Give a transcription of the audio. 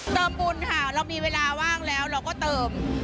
บุญค่ะเรามีเวลาว่างแล้วเราก็เติม